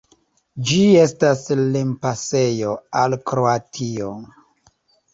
Ĝi estas limpasejo al Kroatio.